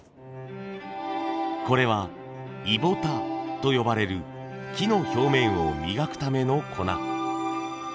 これはイボタと呼ばれる木の表面を磨くための粉。